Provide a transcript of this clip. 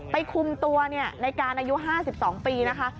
คุมตัวในการอายุ๕๒ปีนะคะ